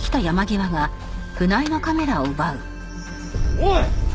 おい！